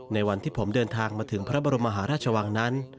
ในวันที่ผมเดินทางมาถึงพระบรมมหาราชวังนั้น